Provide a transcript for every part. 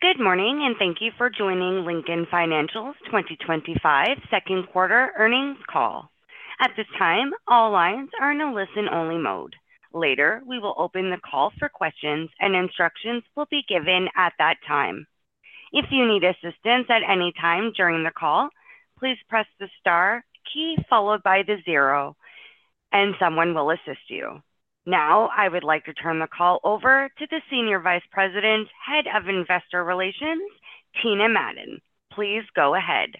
Good morning and thank you for joining Lincoln National Corporation's 2025 second quarter earnings call. At this time, all lines are in a listen-only mode. Later, we will open the call for questions, and instructions will be given at that time. If you need assistance at any time during the call, please press the star key followed by the zero, and someone will assist you. Now, I would like to turn the call over to the Senior Vice President, Head of Investor Relations, Tina Madon. Please go ahead.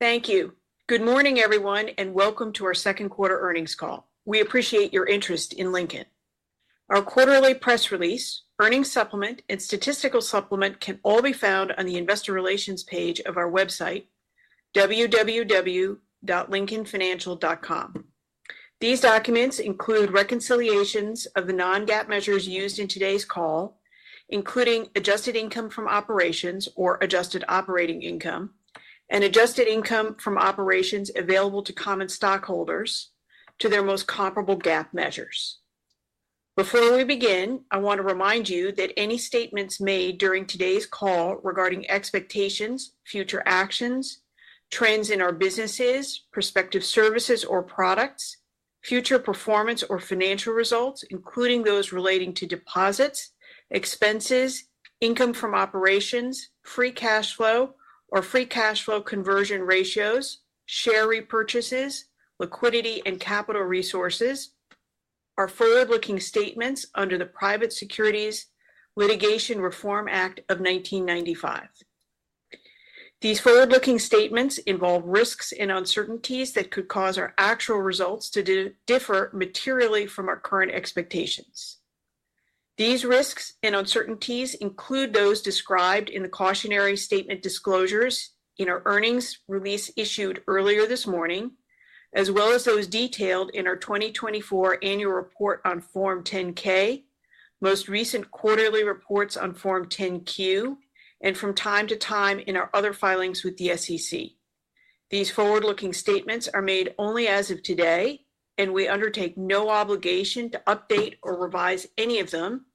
Thank you. Good morning, everyone, and welcome to our second quarter earnings call. We appreciate your interest in Lincoln. Our quarterly press release, earnings supplement, and statistical supplement can all be found on the Investor Relations page of our website, www.lincolnfinancial.com. These documents include reconciliations of the non-GAAP measures used in today's call, including adjusted operating income, and adjusted income from operations available to common stockholders to their most comparable GAAP measures. Before we begin, I want to remind you that any statements made during today's call regarding expectations, future actions, trends in our businesses, prospective services or products, future performance or financial results, including those relating to deposits, expenses, income from operations, free cash flow, or free cash flow conversion ratios, share repurchases, liquidity, and capital resources, are forward-looking statements under the Private Securities Litigation Reform Act of 1995. These forward-looking statements involve risks and uncertainties that could cause our actual results to differ materially from our current expectations. These risks and uncertainties include those described in the cautionary statement disclosures in our earnings release issued earlier this morning, as well as those detailed in our 2024 annual report on Form 10-K, most recent quarterly reports on Form 10-Q, and from time to time in our other filings with the SEC. These forward-looking statements are made only as of today, and we undertake no obligation to update or revise any of them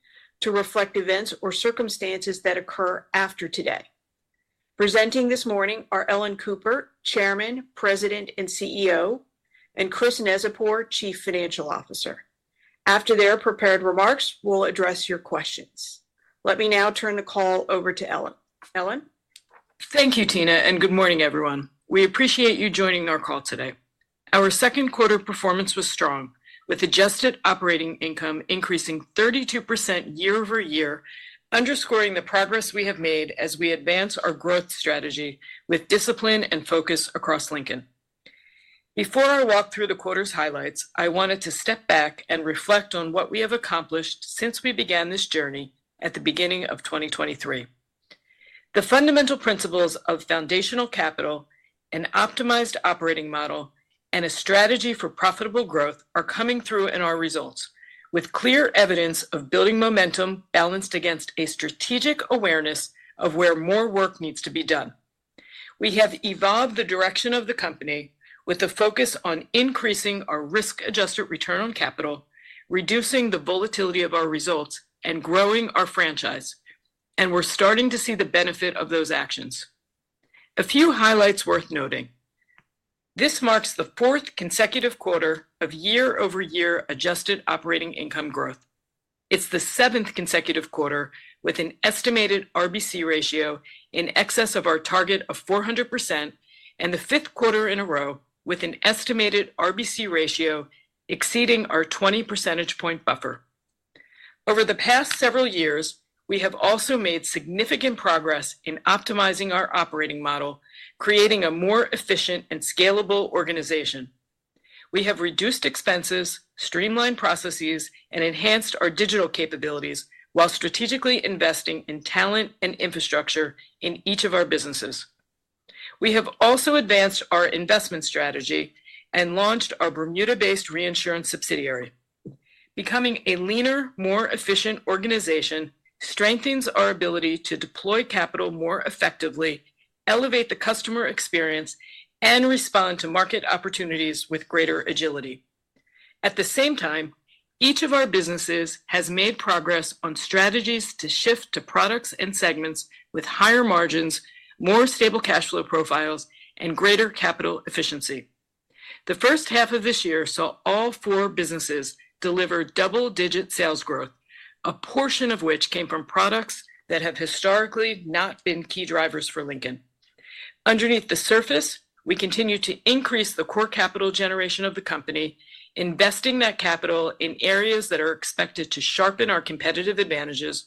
to reflect events or circumstances that occur after today. Presenting this morning are Ellen Cooper, Chairman, President, and CEO, and Chris Neczypor, Chief Financial Officer. After their prepared remarks, we'll address your questions. Let me now turn the call over to Ellen. Ellen. Thank you, Tina, and good morning, everyone. We appreciate you joining our call today. Our second quarter performance was strong, with adjusted operating income increasing 32% year-over-year, underscoring the progress we have made as we advance our growth strategy with discipline and focus across Lincoln. Before I walk through the quarter's highlights, I wanted to step back and reflect on what we have accomplished since we began this journey at the beginning of 2023. The fundamental principles of foundational capital, an optimized operating model, and a strategy for profitable growth are coming through in our results, with clear evidence of building momentum balanced against a strategic awareness of where more work needs to be done. We have evolved the direction of the company with a focus on increasing our risk-adjusted return on capital, reducing the volatility of our results, and growing our franchise, and we're starting to see the benefit of those actions. A few highlights worth noting: this marks the fourth consecutive quarter of year-over-year adjusted operating income growth. It's the seventh consecutive quarter with an estimated RBC ratio in excess of our target of 400%, and the fifth quarter in a row with an estimated RBC ratio exceeding our 20 percentage point buffer. Over the past several years, we have also made significant progress in optimizing our operating model, creating a more efficient and scalable organization. We have reduced expenses, streamlined processes, and enhanced our digital capabilities while strategically investing in talent and infrastructure in each of our businesses. We have also advanced our investment strategy and launched our Bermuda-based reinsurance subsidiary. Becoming a leaner, more efficient organization strengthens our ability to deploy capital more effectively, elevate the customer experience, and respond to market opportunities with greater agility. At the same time, each of our businesses has made progress on strategies to shift to products and segments with higher margins, more stable cash flow profiles, and greater capital efficiency. The first half of this year saw all four businesses deliver double-digit sales growth, a portion of which came from products that have historically not been key drivers for Lincoln. Underneath the surface, we continue to increase the core capital generation of the company, investing that capital in areas that are expected to sharpen our competitive advantages,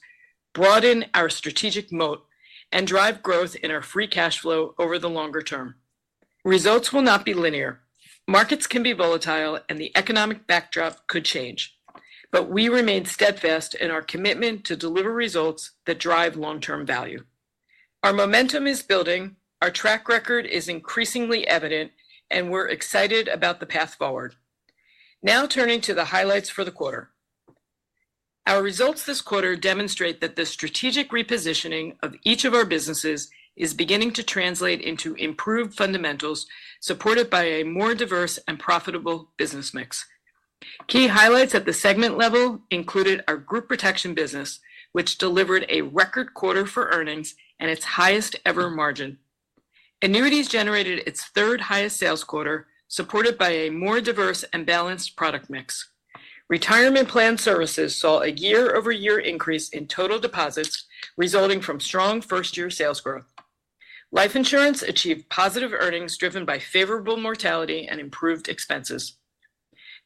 broaden our strategic moat, and drive growth in our free cash flow over the longer term. Results will not be linear. Markets can be volatile, and the economic backdrop could change. We remain steadfast in our commitment to deliver results that drive long-term value. Our momentum is building, our track record is increasingly evident, and we're excited about the path forward. Now turning to the highlights for the quarter. Our results this quarter demonstrate that the strategic repositioning of each of our businesses is beginning to translate into improved fundamentals supported by a more diverse and profitable business mix. Key highlights at the segment level included our group protection business, which delivered a record quarter for earnings and its highest ever margin. Annuities generated its third highest sales quarter, supported by a more diverse and balanced product mix. Retirement plan services saw a year-over-year increase in total deposits, resulting from strong first-year sales growth. Life insurance achieved positive earnings driven by favorable mortality and improved expenses.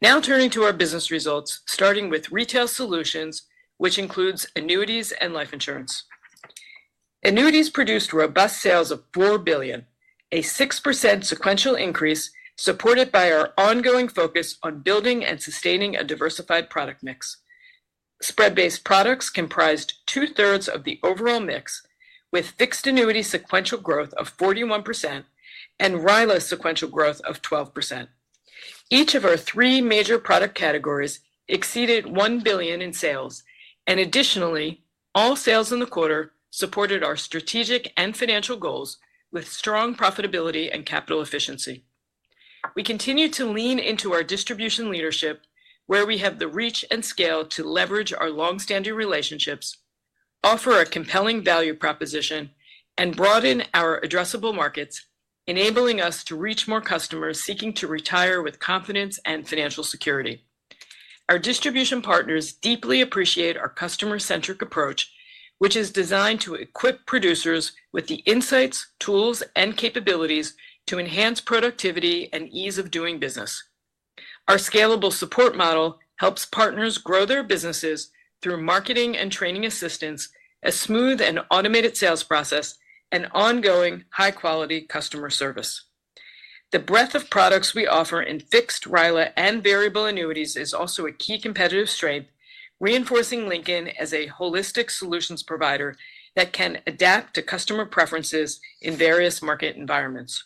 Now turning to our business results, starting with retail solutions, which includes annuities and life insurance. Annuities produced robust sales of $4 billion, a 6% sequential increase supported by our ongoing focus on building and sustaining a diversified product mix. Spread-based products comprised two-thirds of the overall mix, with fixed annuity sequential growth of 41% and registered index-linked annuities (RILA) sequential growth of 12%. Each of our three major product categories exceeded $1 billion in sales, and additionally, all sales in the quarter supported our strategic and financial goals with strong profitability and capital efficiency. We continue to lean into our distribution leadership, where we have the reach and scale to leverage our longstanding relationships, offer a compelling value proposition, and broaden our addressable markets, enabling us to reach more customers seeking to retire with confidence and financial security. Our distribution partners deeply appreciate our customer-centric approach, which is designed to equip producers with the insights, tools, and capabilities to enhance productivity and ease of doing business. Our scalable support model helps partners grow their businesses through marketing and training assistance, a smooth and automated sales process, and ongoing high-quality customer service. The breadth of products we offer in fixed, registered index-linked annuities (RILA), and variable annuities is also a key competitive strength, reinforcing Lincoln as a holistic solutions provider that can adapt to customer preferences in various market environments.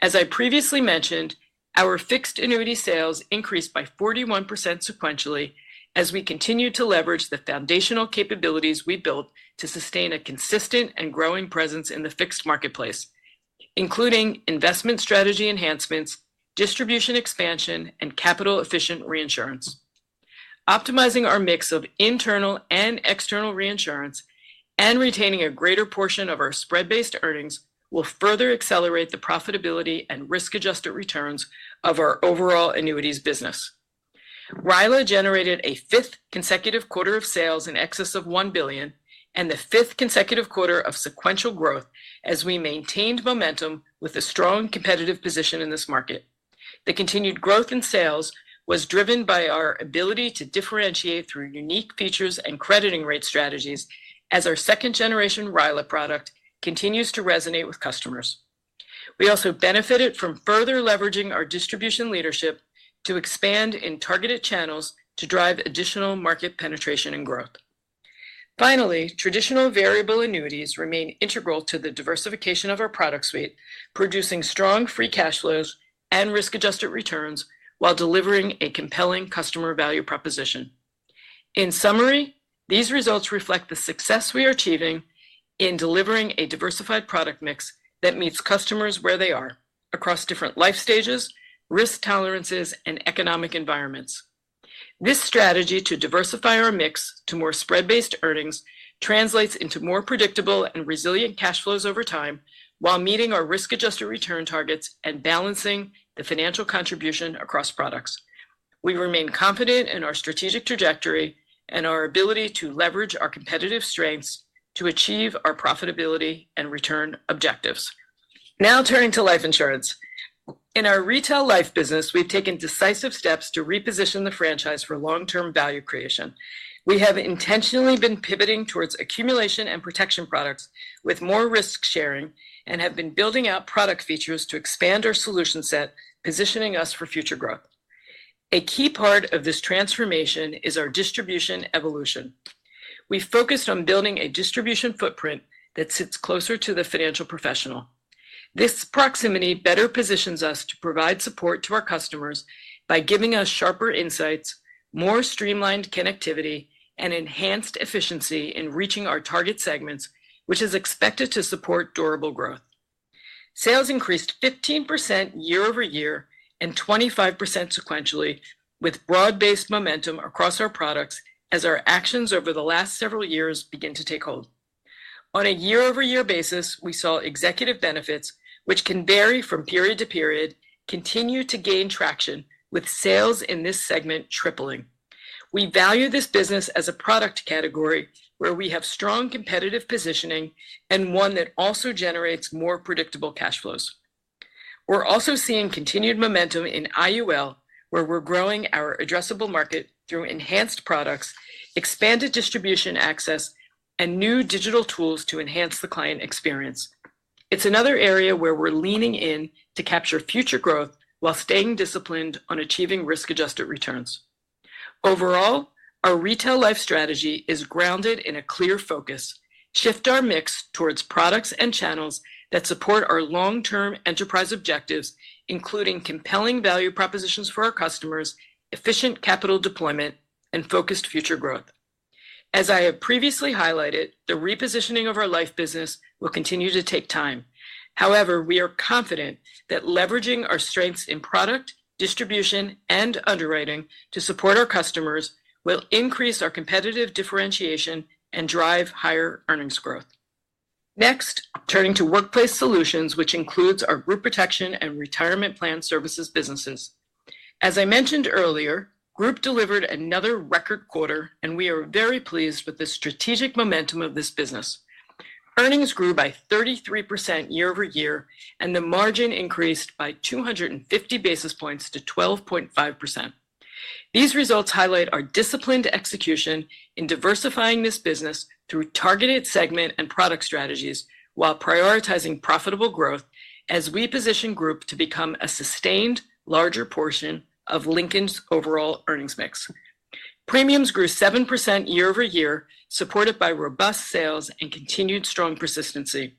As I previously mentioned, our fixed annuity sales increased by 41% sequentially as we continue to leverage the foundational capabilities we built to sustain a consistent and growing presence in the fixed marketplace, including investment strategy enhancements, distribution expansion, and capital-efficient reinsurance. Optimizing our mix of internal and external reinsurance and retaining a greater portion of our spread-based earnings will further accelerate the profitability and risk-adjusted returns of our overall annuities business. RILA generated a fifth consecutive quarter of sales in excess of $1 billion and the fifth consecutive quarter of sequential growth as we maintained momentum with a strong competitive position in this market. The continued growth in sales was driven by our ability to differentiate through unique features and crediting rate strategies as our second-generation RILA product continues to resonate with customers. We also benefited from further leveraging our distribution leadership to expand in targeted channels to drive additional market penetration and growth. Finally, traditional variable annuities remain integral to the diversification of our product suite, producing strong free cash flows and risk-adjusted returns while delivering a compelling customer value proposition. In summary, these results reflect the success we are achieving in delivering a diversified product mix that meets customers where they are across different life stages, risk tolerances, and economic environments. This strategy to diversify our mix to more spread-based earnings translates into more predictable and resilient cash flows over time while meeting our risk-adjusted return targets and balancing the financial contribution across products. We remain confident in our strategic trajectory and our ability to leverage our competitive strengths to achieve our profitability and return objectives. Now turning to life insurance. In our retail life business, we've taken decisive steps to reposition the franchise for long-term value creation. We have intentionally been pivoting towards accumulation and protection products with more risk sharing and have been building out product features to expand our solution set, positioning us for future growth. A key part of this transformation is our distribution evolution. We focused on building a distribution footprint that sits closer to the financial professional. This proximity better positions us to provide support to our customers by giving us sharper insights, more streamlined connectivity, and enhanced efficiency in reaching our target segments, which is expected to support durable growth. Sales increased 15% year-over-year and 25% sequentially, with broad-based momentum across our products as our actions over the last several years begin to take hold. On a year-over-year basis, we saw executive benefits, which can vary from period to period, continue to gain traction, with sales in this segment tripling. We value this business as a product category where we have strong competitive positioning and one that also generates more predictable cash flows. We're also seeing continued momentum in IUL, where we're growing our addressable market through enhanced products, expanded distribution access, and new digital tools to enhance the client experience. It's another area where we're leaning in to capture future growth while staying disciplined on achieving risk-adjusted returns. Overall, our retail life strategy is grounded in a clear focus: shift our mix towards products and channels that support our long-term enterprise objectives, including compelling value propositions for our customers, efficient capital deployment, and focused future growth. As I have previously highlighted, the repositioning of our life business will continue to take time. However, we are confident that leveraging our strengths in product, distribution, and underwriting to support our customers will increase our competitive differentiation and drive higher earnings growth. Next, turning to workplace solutions, which includes our group protection and retirement plan services businesses. As I mentioned earlier, Group delivered another record quarter, and we are very pleased with the strategic momentum of this business. Earnings grew by 33% year-over-year, and the margin increased by 250 basis points to 12.5%. These results highlight our disciplined execution in diversifying this business through targeted segment and product strategies while prioritizing profitable growth as we position Group to become a sustained larger portion of Lincoln's overall earnings mix. Premiums grew 7% year-over-year, supported by robust sales and continued strong persistency.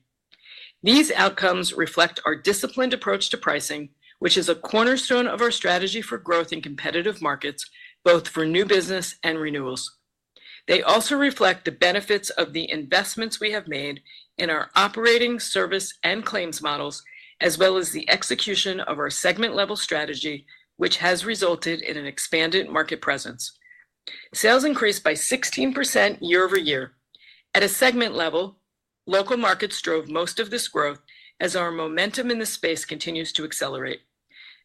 These outcomes reflect our disciplined approach to pricing, which is a cornerstone of our strategy for growth in competitive markets, both for new business and renewals. They also reflect the benefits of the investments we have made in our operating service and claims models, as well as the execution of our segment-level strategy, which has resulted in an expanded market presence. Sales increased by 16% year-over-year. At a segment level, local markets drove most of this growth as our momentum in this space continues to accelerate.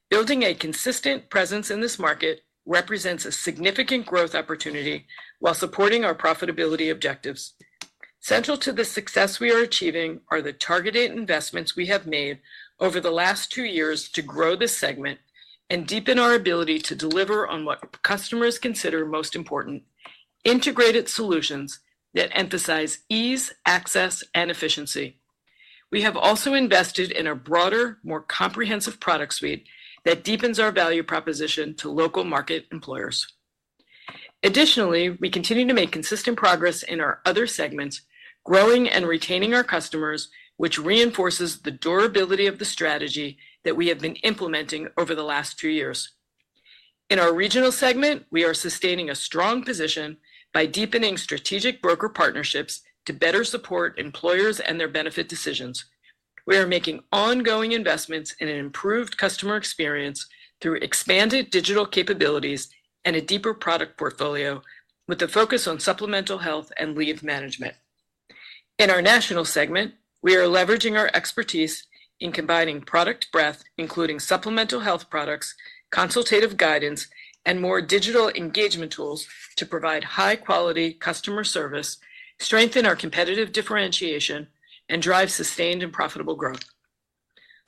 Building a consistent presence in this market represents a significant growth opportunity while supporting our profitability objectives. Central to the success we are achieving are the targeted investments we have made over the last two years to grow this segment and deepen our ability to deliver on what customers consider most important: integrated solutions that emphasize ease, access, and efficiency. We have also invested in a broader, more comprehensive product suite that deepens our value proposition to local market employers. Additionally, we continue to make consistent progress in our other segments, growing and retaining our customers, which reinforces the durability of the strategy that we have been implementing over the last two years. In our regional segment, we are sustaining a strong position by deepening strategic broker partnerships to better support employers and their benefit decisions. We are making ongoing investments in an improved customer experience through expanded digital capabilities and a deeper product portfolio, with a focus on supplemental health and leave management. In our national segment, we are leveraging our expertise in combining product breadth, including supplemental health products, consultative guidance, and more digital engagement tools to provide high-quality customer service, strengthen our competitive differentiation, and drive sustained and profitable growth.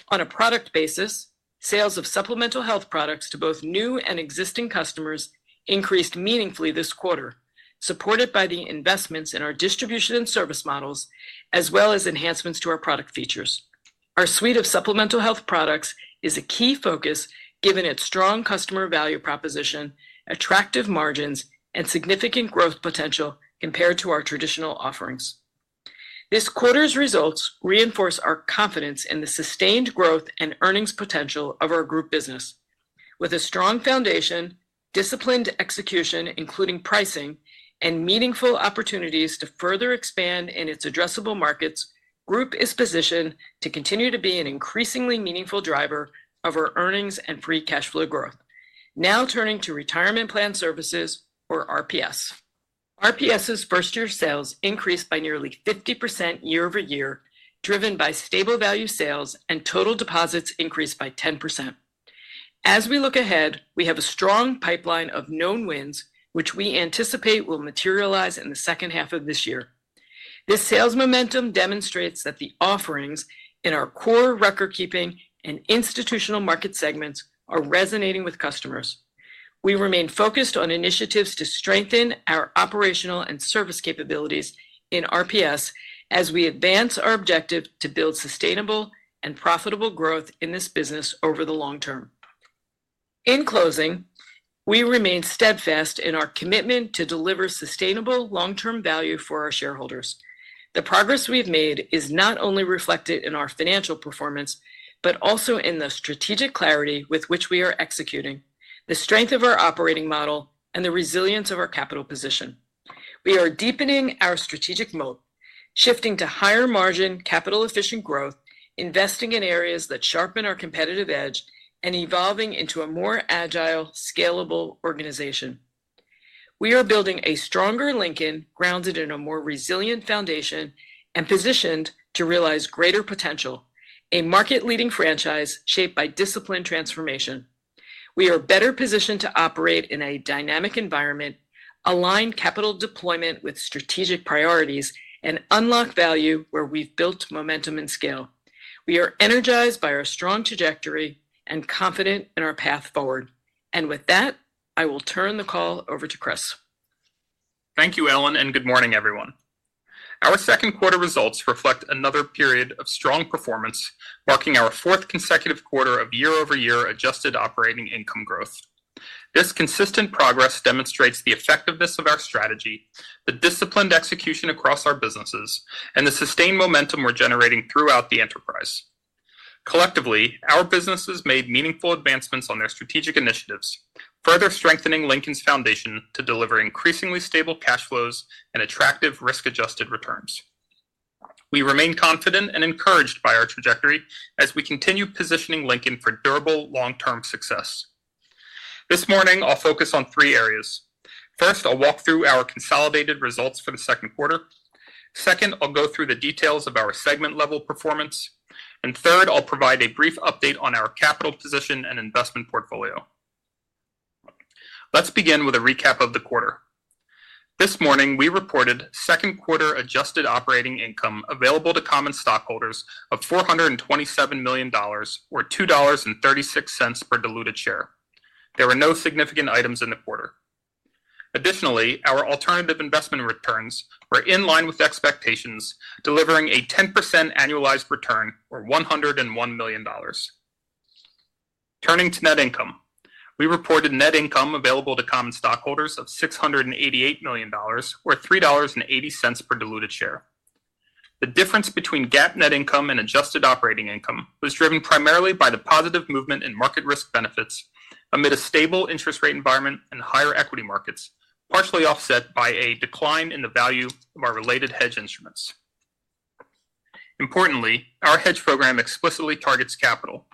On a product basis, sales of supplemental health products to both new and existing customers increased meaningfully this quarter, supported by the investments in our distribution and service models, as well as enhancements to our product features. Our suite of supplemental health products is a key focus given its strong customer value proposition, attractive margins, and significant growth potential compared to our traditional offerings. This quarter's results reinforce our confidence in the sustained growth and earnings potential of our group business. With a strong foundation, disciplined execution, including pricing, and meaningful opportunities to further expand in its addressable markets, Group is positioned to continue to be an increasingly meaningful driver of our earnings and free cash flow growth. Now turning to retirement plan services, or RPS. RPS's first-year sales increased by nearly 50% year-over-year, driven by stable value sales, and total deposits increased by 10%. As we look ahead, we have a strong pipeline of known wins, which we anticipate will materialize in the second half of this year. This sales momentum demonstrates that the offerings in our core record-keeping and institutional market segments are resonating with customers. We remain focused on initiatives to strengthen our operational and service capabilities in RPS as we advance our objective to build sustainable and profitable growth in this business over the long term. In closing, we remain steadfast in our commitment to deliver sustainable long-term value for our shareholders. The progress we have made is not only reflected in our financial performance but also in the strategic clarity with which we are executing, the strength of our operating model, and the resilience of our capital position. We are deepening our strategic moat, shifting to higher-margin, capital-efficient growth, investing in areas that sharpen our competitive edge, and evolving into a more agile, scalable organization. We are building a stronger Lincoln, grounded in a more resilient foundation and positioned to realize greater potential, a market-leading franchise shaped by disciplined transformation. We are better positioned to operate in a dynamic environment, align capital deployment with strategic priorities, and unlock value where we've built momentum and scale. We are energized by our strong trajectory and confident in our path forward. With that, I will turn the call over to Chris. Thank you, Ellen, and good morning, everyone. Our second quarter results reflect another period of strong performance, marking our fourth consecutive quarter of year-over-year adjusted operating income growth. This consistent progress demonstrates the effectiveness of our strategy, the disciplined execution across our businesses, and the sustained momentum we're generating throughout the enterprise. Collectively, our businesses made meaningful advancements on their strategic initiatives, further strengthening Lincoln's foundation to deliver increasingly stable cash flows and attractive risk-adjusted returns. We remain confident and encouraged by our trajectory as we continue positioning Lincoln for durable long-term success. This morning, I'll focus on three areas. First, I'll walk through our consolidated results for the second quarter. Second, I'll go through the details of our segment-level performance. Third, I'll provide a brief update on our capital position and investment portfolio. Let's begin with a recap of the quarter. This morning, we reported second-quarter adjusted operating income available to common stockholders of $427 million, or $2.36 per diluted share. There were no significant items in the quarter. Additionally, our alternative investment returns were in line with expectations, delivering a 10% annualized return, or $101 million. Turning to net income, we reported net income available to common stockholders of $688 million, or $3.80 per diluted share. The difference between GAAP net income and adjusted operating income was driven primarily by the positive movement in market risk benefits amid a stable interest rate environment and higher equity markets, partially offset by a decline in the value of our related hedge instruments. Importantly, our hedge program explicitly targets capital.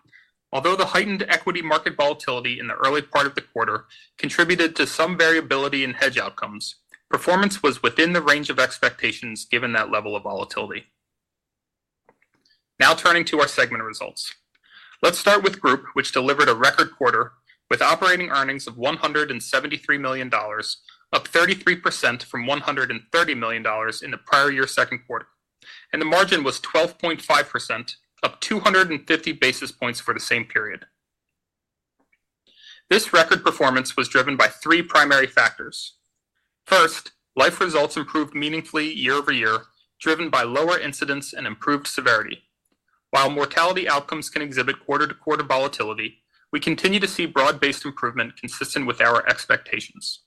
Although the heightened equity market volatility in the early part of the quarter contributed to some variability in hedge outcomes, performance was within the range of expectations given that level of volatility. Now turning to our segment results. Let's start with group protection, which delivered a record quarter with operating earnings of $173 million, up 33% from $130 million in the prior year's second quarter. The margin was 12.5%, up 250 basis points for the same period. This record performance was driven by three primary factors. First, life results improved meaningfully year-over-year, driven by lower incidents and improved severity. While mortality outcomes can exhibit quarter-to-quarter volatility, we continue to see broad-based improvement consistent with our expectations.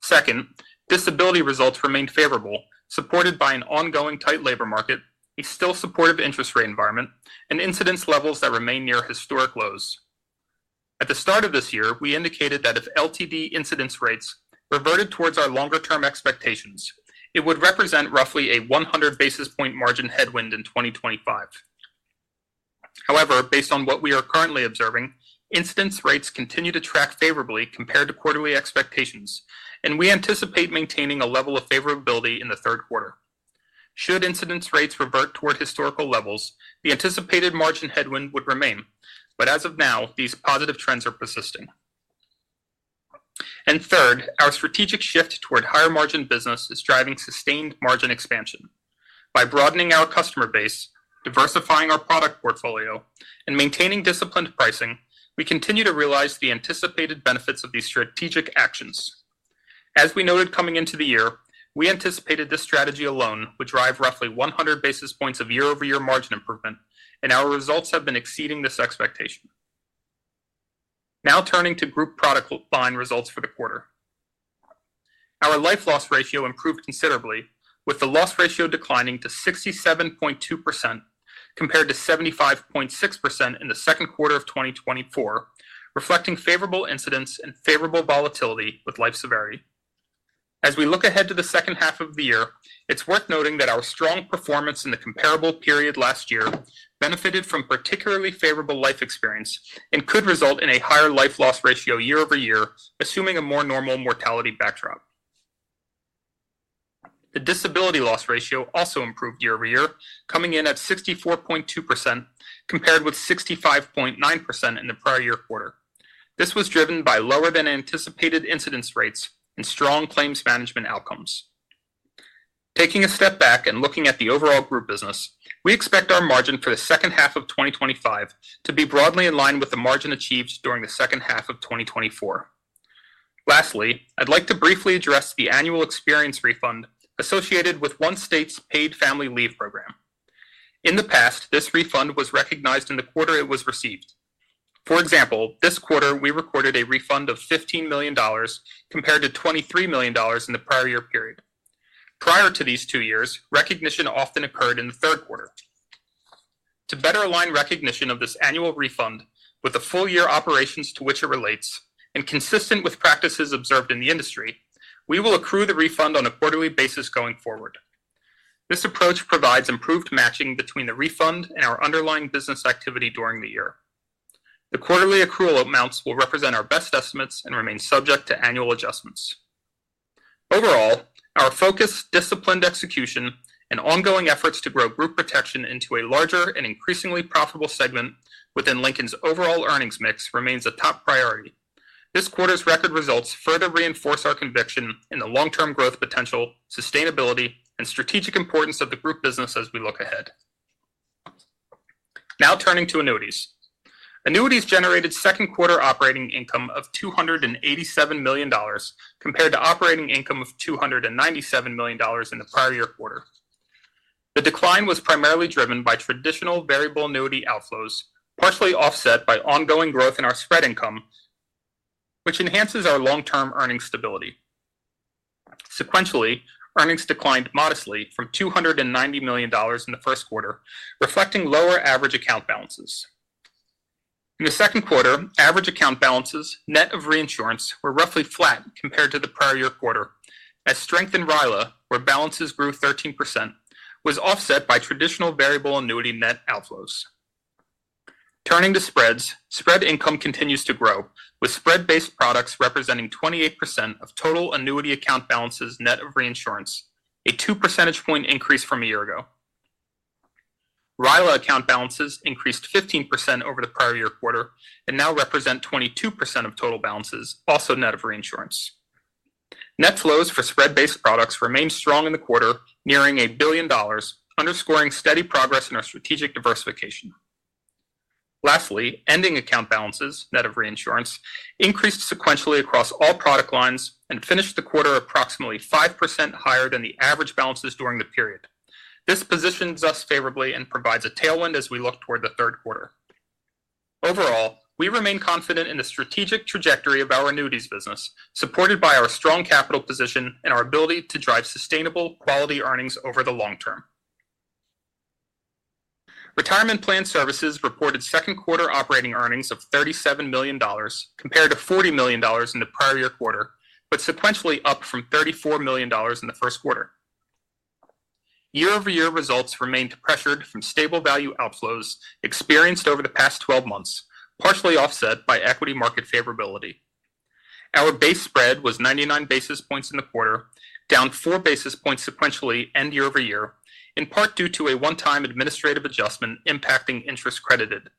Second, disability results remain favorable, supported by an ongoing tight labor market, a still supportive interest rate environment, and incidence levels that remain near historic lows. At the start of this year, we indicated that if LTD incidence rates reverted towards our longer-term expectations, it would represent roughly a 100 basis point margin headwind in 2025. However, based on what we are currently observing, incidence rates continue to track favorably compared to quarterly expectations, and we anticipate maintaining a level of favorability in the third quarter. Should incidence rates revert toward historical levels, the anticipated margin headwind would remain. As of now, these positive trends are persisting. Third, our strategic shift toward higher-margin business is driving sustained margin expansion. By broadening our customer base, diversifying our product portfolio, and maintaining disciplined pricing, we continue to realize the anticipated benefits of these strategic actions. As we noted coming into the year, we anticipated this strategy alone would drive roughly 100 basis points of year-over-year margin improvement, and our results have been exceeding this expectation. Now turning to group product line results for the quarter. Our life loss ratio improved considerably, with the loss ratio declining to 67.2% compared to 75.6% in the second quarter of 2024, reflecting favorable incidence and favorable volatility with life severity. As we look ahead to the second half of the year, it's worth noting that our strong performance in the comparable period last year benefited from particularly favorable life experience and could result in a higher life loss ratio year-over-year, assuming a more normal mortality backdrop. The disability loss ratio also improved year-over-year, coming in at 64.2% compared with 65.9% in the prior year quarter. This was driven by lower than anticipated incidence rates and strong claims management outcomes. Taking a step back and looking at the overall group business, we expect our margin for the second half of 2025 to be broadly in line with the margin achieved during the second half of 2024. Lastly, I'd like to briefly address the annual experience refund associated with one state's paid family leave program. In the past, this refund was recognized in the quarter it was received. For example, this quarter we recorded a refund of $15 million compared to $23 million in the prior year period. Prior to these two years, recognition often occurred in the third quarter. To better align recognition of this annual refund with the full-year operations to which it relates and consistent with practices observed in the industry, we will accrue the refund on a quarterly basis going forward. This approach provides improved matching between the refund and our underlying business activity during the year. The quarterly accrual amounts will represent our best estimates and remain subject to annual adjustments. Overall, our focus, disciplined execution, and ongoing efforts to grow group protection into a larger and increasingly profitable segment within Lincoln's overall earnings mix remains a top priority. This quarter's record results further reinforce our conviction in the long-term growth potential, sustainability, and strategic importance of the group business as we look ahead. Now turning to annuities. Annuities generated second-quarter operating income of $287 million compared to operating income of $297 million in the prior year quarter. The decline was primarily driven by traditional variable annuity outflows, partially offset by ongoing growth in our spread income, which enhances our long-term earnings stability. Sequentially, earnings declined modestly from $290 million in the first quarter, reflecting lower average account balances. In the second quarter, average account balances, net of reinsurance, were roughly flat compared to the prior year quarter, as strength in registered index-linked annuities (RILA), where balances grew 13%, was offset by traditional variable annuity net outflows. Turning to spreads, spread income continues to grow, with spread-based products representing 28% of total annuity account balances net of reinsurance, a two-percentage point increase from a year ago. RILA account balances increased 15% over the prior year quarter and now represent 22% of total balances, also net of reinsurance. Net flows for spread-based products remained strong in the quarter, nearing $1 billion, underscoring steady progress in our strategic diversification. Lastly, ending account balances, net of reinsurance, increased sequentially across all product lines and finished the quarter approximately 5% higher than the average balances during the period. This positions us favorably and provides a tailwind as we look toward the third quarter. Overall, we remain confident in the strategic trajectory of our annuities business, supported by our strong capital position and our ability to drive sustainable, quality earnings over the long term. Retirement plan services reported second-quarter operating earnings of $37 million compared to $40 million in the prior year quarter, but sequentially up from $34 million in the first quarter. Year-over-year results remained pressured from stable value outflows experienced over the past 12 months, partially offset by equity market favorability. Our base spread was 99 basis points in the quarter, down four basis points sequentially and year-over-year, in part due to a one-time administrative adjustment impacting interest credited.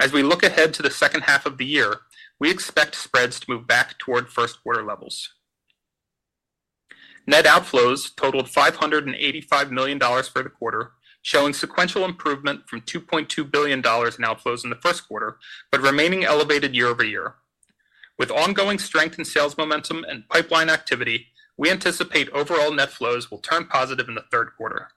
As we look ahead to the second half of the year, we expect spreads to move back toward first-quarter levels. Net outflows totaled $585 million for the quarter, showing sequential improvement from $2.2 billion in outflows in the first quarter, but remaining elevated year-over-year. With ongoing strength in sales momentum and pipeline activity, we anticipate overall net flows will turn positive in the third quarter.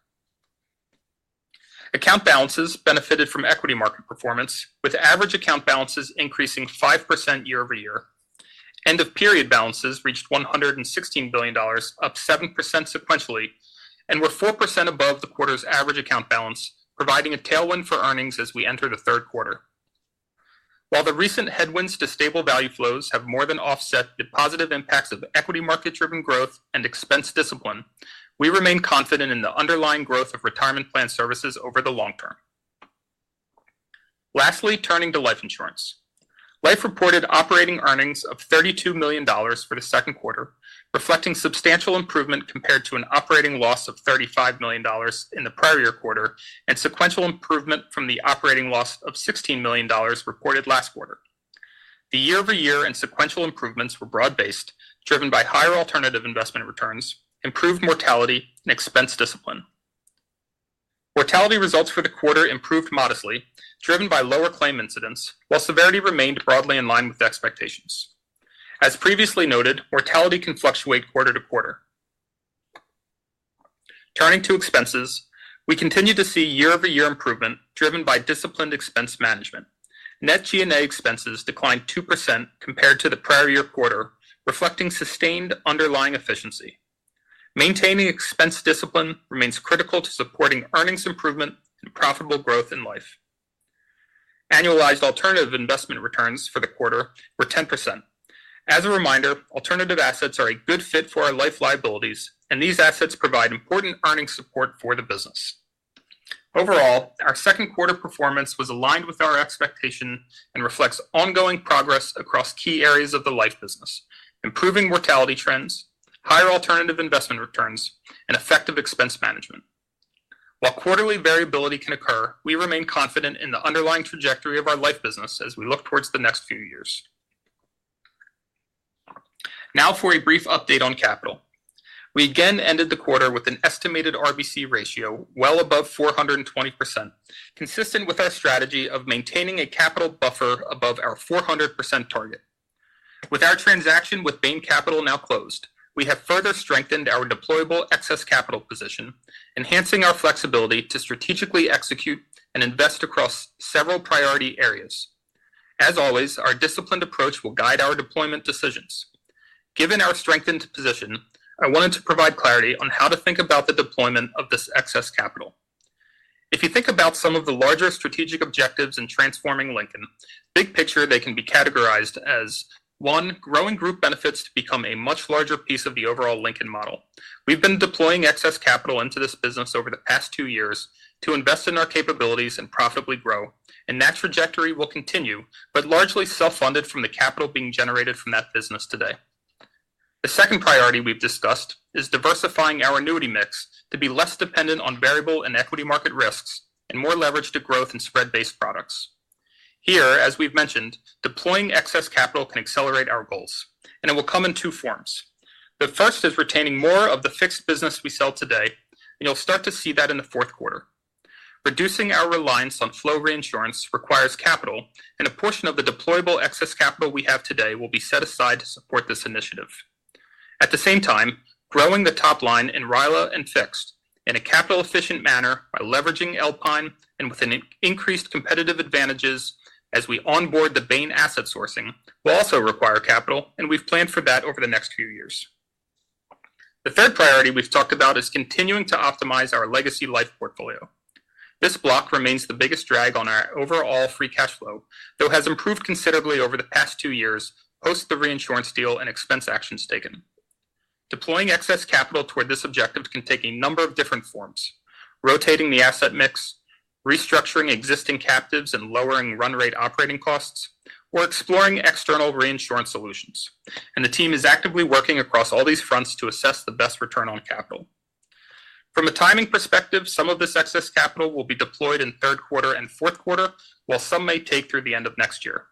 Account balances benefited from equity market performance, with average account balances increasing 5% year-over-year. End-of-period balances reached $116 billion, up 7% sequentially, and were 4% above the quarter's average account balance, providing a tailwind for earnings as we enter the third quarter. While the recent headwinds to stable value flows have more than offset the positive impacts of equity market-driven growth and expense discipline, we remain confident in the underlying growth of retirement plan services over the long term. Lastly, turning to life insurance. Life reported operating earnings of $32 million for the second quarter, reflecting substantial improvement compared to an operating loss of $35 million in the prior year quarter and sequential improvement from the operating loss of $16 million reported last quarter. The year-over-year and sequential improvements were broad-based, driven by higher alternative investment returns, improved mortality, and expense discipline. Mortality results for the quarter improved modestly, driven by lower claim incidents, while severity remained broadly in line with expectations. As previously noted, mortality can fluctuate quarter to quarter. Turning to expenses, we continue to see year-over-year improvement driven by disciplined expense management. Net G&A expenses declined 2% compared to the prior year quarter, reflecting sustained underlying efficiency. Maintaining expense discipline remains critical to supporting earnings improvement and profitable growth in life. Annualized alternative investment returns for the quarter were 10%. As a reminder, alternative assets are a good fit for our life liabilities, and these assets provide important earnings support for the business. Overall, our second-quarter performance was aligned with our expectation and reflects ongoing progress across key areas of the life business, improving mortality trends, higher alternative investment returns, and effective expense management. While quarterly variability can occur, we remain confident in the underlying trajectory of our life business as we look towards the next few years. Now for a brief update on capital. We again ended the quarter with an estimated RBC ratio well above 420%, consistent with our strategy of maintaining a capital buffer above our 400% target. With our transaction with Bain Capital now closed, we have further strengthened our deployable excess capital position, enhancing our flexibility to strategically execute and invest across several priority areas. As always, our disciplined approach will guide our deployment decisions. Given our strengthened position, I wanted to provide clarity on how to think about the deployment of this excess capital. If you think about some of the larger strategic objectives in transforming Lincoln, big picture, they can be categorized as: one, growing group benefits to become a much larger piece of the overall Lincoln model. We've been deploying excess capital into this business over the past two years to invest in our capabilities and profitably grow, and that trajectory will continue, but largely self-funded from the capital being generated from that business today. The second priority we've discussed is diversifying our annuity mix to be less dependent on variable and equity market risks and more leveraged to growth and spread-based products. Here, as we've mentioned, deploying excess capital can accelerate our goals, and it will come in two forms. The first is retaining more of the fixed business we sell today, and you'll start to see that in the fourth quarter. Reducing our reliance on flow reinsurance requires capital, and a portion of the deployable excess capital we have today will be set aside to support this initiative. At the same time, growing the top line in RILA and fixed in a capital-efficient manner by leveraging Alpine and with an increased competitive advantage as we onboard the Bain asset sourcing will also require capital, and we've planned for that over the next few years. The third priority we've talked about is continuing to optimize our legacy life portfolio. This block remains the biggest drag on our overall free cash flow, though it has improved considerably over the past two years, post the reinsurance deal and expense actions taken. Deploying excess capital toward this objective can take a number of different forms: rotating the asset mix, restructuring existing captives and lowering run-rate operating costs, or exploring external reinsurance solutions. The team is actively working across all these fronts to assess the best return on capital. From a timing perspective, some of this excess capital will be deployed in third quarter and fourth quarter, while some may take through the end of next year.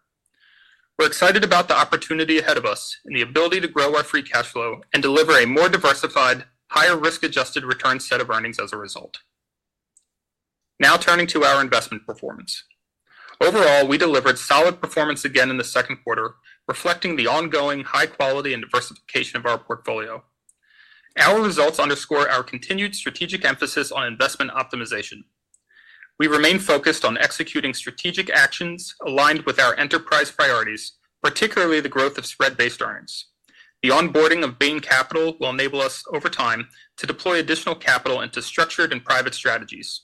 We're excited about the opportunity ahead of us and the ability to grow our free cash flow and deliver a more diversified, higher risk-adjusted return set of earnings as a result. Now turning to our investment performance. Overall, we delivered solid performance again in the second quarter, reflecting the ongoing high quality and diversification of our portfolio. Our results underscore our continued strategic emphasis on investment optimization. We remain focused on executing strategic actions aligned with our enterprise priorities, particularly the growth of spread-based earnings. The onboarding of Bain Capital will enable us over time to deploy additional capital into structured and private strategies.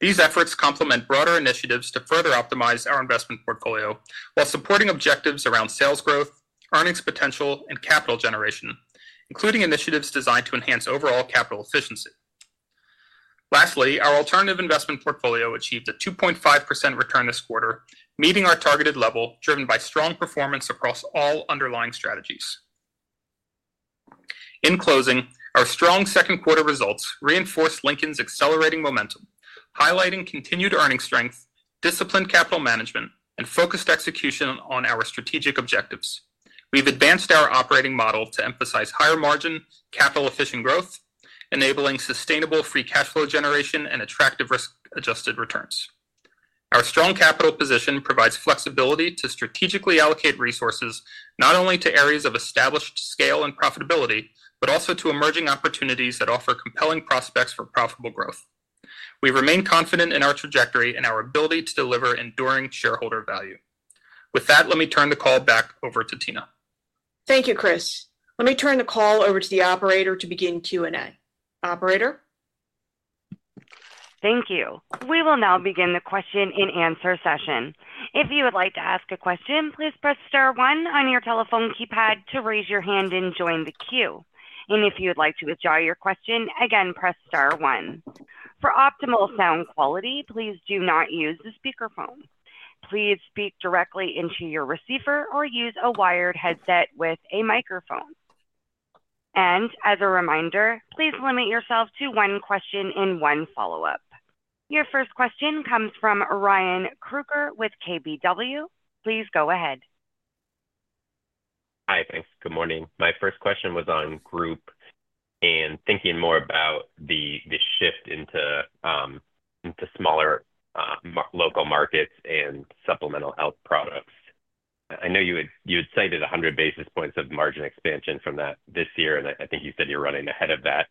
These efforts complement broader initiatives to further optimize our investment portfolio while supporting objectives around sales growth, earnings potential, and capital generation, including initiatives designed to enhance overall capital efficiency. Lastly, our alternative investment portfolio achieved a 2.5% return this quarter, meeting our targeted level driven by strong performance across all underlying strategies. In closing, our strong second-quarter results reinforce Lincoln's accelerating momentum, highlighting continued earning strength, disciplined capital management, and focused execution on our strategic objectives. We've advanced our operating model to emphasize higher-margin, capital-efficient growth, enabling sustainable free cash flow generation and attractive risk-adjusted returns. Our strong capital position provides flexibility to strategically allocate resources not only to areas of established scale and profitability but also to emerging opportunities that offer compelling prospects for profitable growth. We remain confident in our trajectory and our ability to deliver enduring shareholder value. With that, let me turn the call back over to Tina. Thank you, Chris. Let me turn the call over to the operator to begin Q&A. Operator? Thank you. We will now begin the question-and-answer session. If you would like to ask a question, please press star one on your telephone keypad to raise your hand and join the queue. If you would like to withdraw your question, again press star one. For optimal sound quality, please do not use the speakerphone. Please speak directly into your receiver or use a wired headset with a microphone. As a reminder, please limit yourself to one question and one follow-up. Your first question comes from Ryan Krueger with KBW. Please go ahead. Hi, thanks. Good morning. My first question was on group and thinking more about the shift into smaller local markets and supplemental health products. I know you had cited 100 basis points of margin expansion from that this year, and I think you said you're running ahead of that.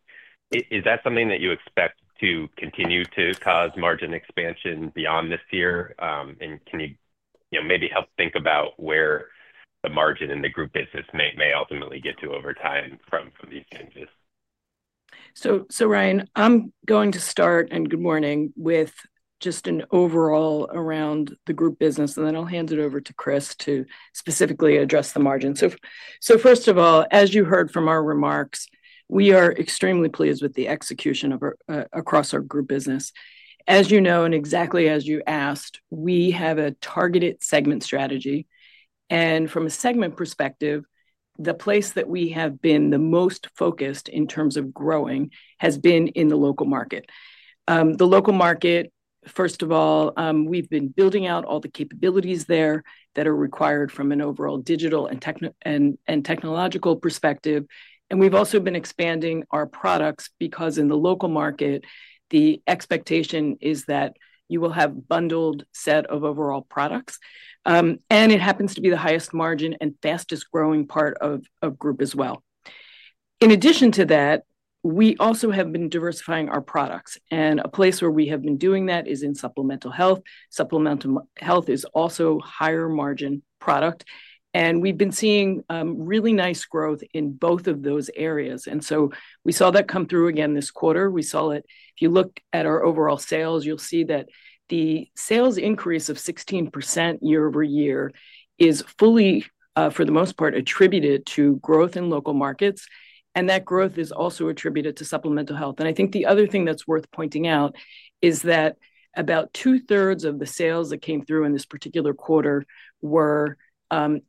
Is that something that you expect to continue to cause margin expansion beyond this year? Can you maybe help think about where the margin in the group business may ultimately get to over time from these changes? Ryan, I'm going to start, and good morning, with just an overall around the group business, and then I'll hand it over to Chris to specifically address the margins. First of all, as you heard from our remarks, we are extremely pleased with the execution across our group business. As you know, and exactly as you asked, we have a targeted segment strategy. From a segment perspective, the place that we have been the most focused in terms of growing has been in the local market. The local market, first of all, we've been building out all the capabilities there that are required from an overall digital and technological perspective. We've also been expanding our products because in the local market, the expectation is that you will have a bundled set of overall products. It happens to be the highest margin and fastest growing part of group as well. In addition to that, we also have been diversifying our products. A place where we have been doing that is in supplemental health. Supplemental health is also a higher margin product. We've been seeing really nice growth in both of those areas. We saw that come through again this quarter. If you look at our overall sales, you'll see that the sales increase of 16% year-over-year is fully, for the most part, attributed to growth in local markets. That growth is also attributed to supplemental health. I think the other thing that's worth pointing out is that about 2/3 of the sales that came through in this particular quarter were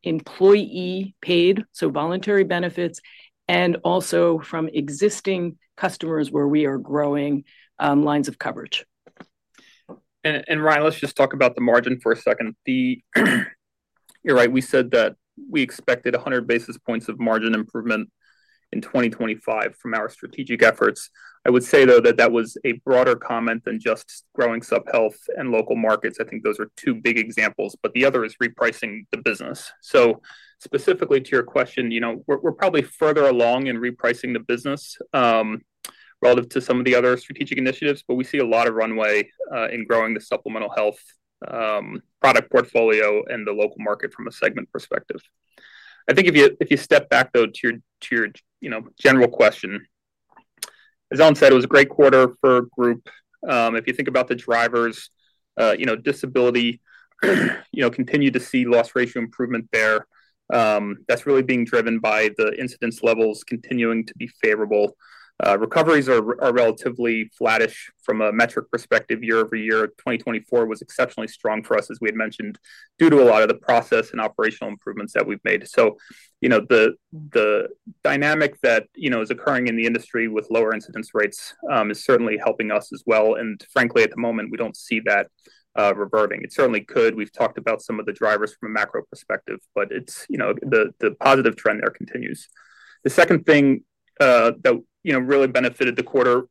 employee paid, so voluntary benefits, and also from existing customers where we are growing lines of coverage. Ryan, let's just talk about the margin for a second. You're right. We said that we expected 100 basis points of margin improvement in 2025 from our strategic efforts. I would say, though, that that was a broader comment than just growing supplemental health and local markets. I think those are two big examples. The other is repricing the business. Specifically to your question, we're probably further along in repricing the business relative to some of the other strategic initiatives. We see a lot of runway in growing the supplemental health product portfolio and the local market from a segment perspective. If you step back to your general question, as Ellen said, it was a great quarter for Group. If you think about the drivers, disability continues to see loss ratio improvement there. That's really being driven by the incidence levels continuing to be favorable. Recoveries are relatively flattish from a metric perspective. year-over-year, 2024 was exceptionally strong for us, as we had mentioned, due to a lot of the process and operational improvements that we've made. The dynamic that is occurring in the industry with lower incidence rates is certainly helping us as well. Frankly, at the moment, we don't see that reverting. It certainly could. We've talked about some of the drivers from a macro perspective. The positive trend there continues. The second thing that really benefited the quarter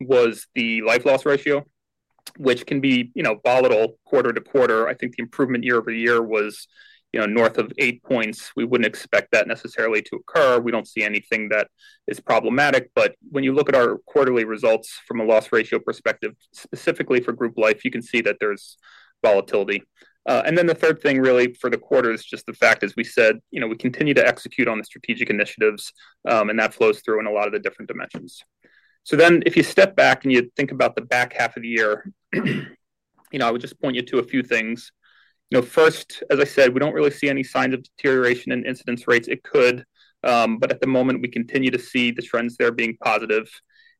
was the life loss ratio, which can be volatile quarter to quarter. I think the improvement year-over-year was north of 8 points. We wouldn't expect that necessarily to occur. We don't see anything that is problematic. When you look at our quarterly results from a loss ratio perspective, specifically for Group Life, you can see that there's volatility. The third thing for the quarter is just the fact, as we said, we continue to execute on the strategic initiatives, and that flows through in a lot of the different dimensions. If you step back and you think about the back half of the year, I would just point you to a few things. First, as I said, we don't really see any signs of deterioration in incidence rates. It could. At the moment, we continue to see the trends there being positive.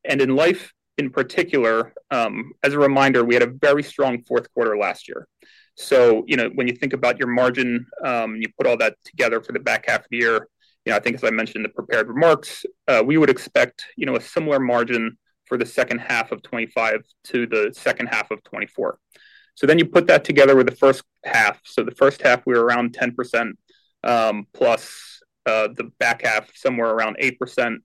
In life in particular, as a reminder, we had a very strong fourth quarter last year. When you think about your margin and you put all that together for the back half of the year, as I mentioned in the prepared remarks, we would expect a similar margin for the second half of 2025 to the second half of 2024. You put that together with the first half. The first half, we were around 10%, plus the back half, somewhere around 8%.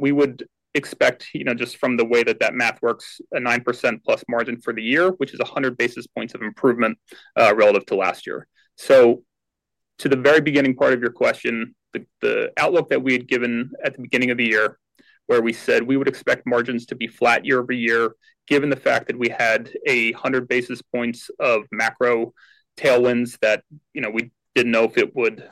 We would expect, just from the way that math works, a 9%+ margin for the year, which is 100 basis points of improvement relative to last year. To the very beginning part of your question, the outlook that we had given at the beginning of the year, where we said we would expect margins to be flat year-over-year, given the fact that we had 100 basis points of macro tailwinds that we did not know if it would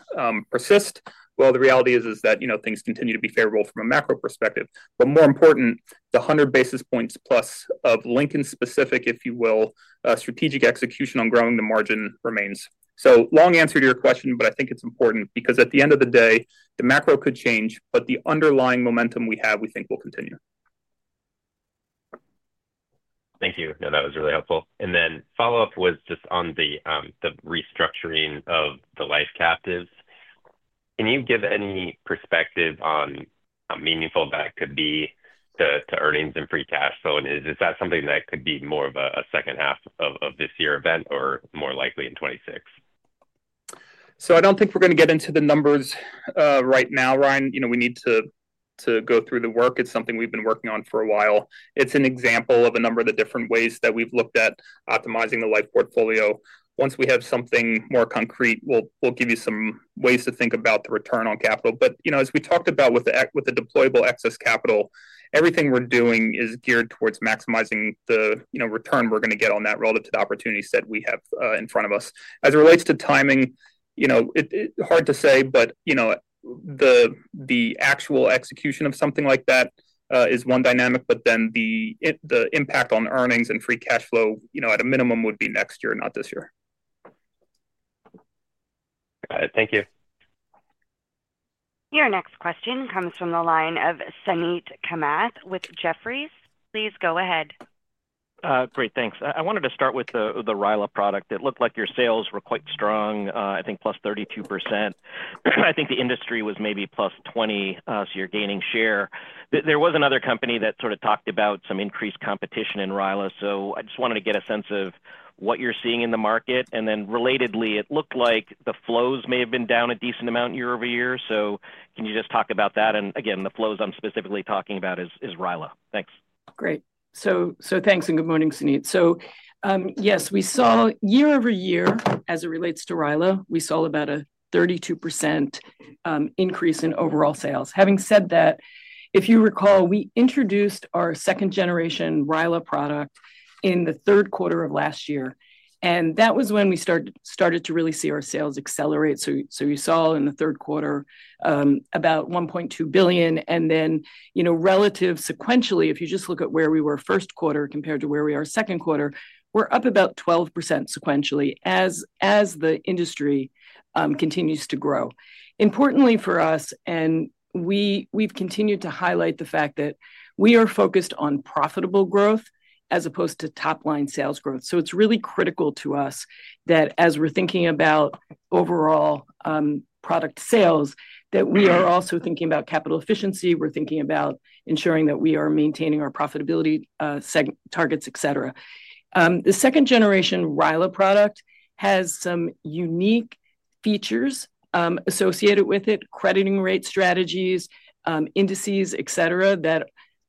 persist. The reality is that things continue to be favorable from a macro perspective. More important, the 100 basis points plus of Lincoln-specific, if you will, strategic execution on growing the margin remains. Long answer to your question, but I think it's important because at the end of the day, the macro could change, but the underlying momentum we have, we think will continue. Thank you. No, that was really helpful. The follow-up was just on the restructuring of the life captives. Can you give any perspective on how meaningful that could be to earnings and free cash flow? Is that something that could be more of a second half of this year event or more likely in 2026? I don't think we're going to get into the numbers right now, Ryan. You know we need to go through the work. It's something we've been working on for a while. It's an example of a number of the different ways that we've looked at optimizing the life portfolio. Once we have something more concrete, we'll give you some ways to think about the return on capital. As we talked about with the deployable excess capital, everything we're doing is geared towards maximizing the return we're going to get on that relative to the opportunities that we have in front of us. As it relates to timing, it's hard to say, but the actual execution of something like that is one dynamic. Then the impact on earnings and free cash flow, at a minimum, would be next year, not this year. Got it. Thank you. Your next question comes from the line of Suneet Kamath with Jefferies. Please go ahead. Great, thanks. I wanted to start with the RILA product. It looked like your sales were quite strong, I think +32%. I think the industry was maybe +20%, so you're gaining share. There was another company that sort of talked about some increased competition in RILA. I just wanted to get a sense of what you're seeing in the market. Relatedly, it looked like the flows may have been down a decent amount year-over-year. Can you just talk about that? Again, the flows I'm specifically talking about is RILA. Thanks. Great. Thanks and good morning, Suneet. Yes, we saw year-over-year, as it relates to registered index-linked annuities (RILA), we saw about a 32% increase in overall sales. Having said that, if you recall, we introduced our second-generation RILA product in the third quarter of last year. That was when we started to really see our sales accelerate. You saw in the third quarter about $1.2 billion. Relative sequentially, if you just look at where we were first quarter compared to where we are second quarter, we're up about 12% sequentially as the industry continues to grow. Importantly for us, and we've continued to highlight the fact that we are focused on profitable growth as opposed to top-line sales growth. It's really critical to us that as we're thinking about overall product sales, we are also thinking about capital efficiency. We're thinking about ensuring that we are maintaining our profitability targets, et cetera. The second-generation RILA product has some unique features associated with it, crediting rate strategies, indices, et cetera, that